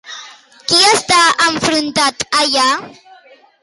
Qui està enfrontat allà?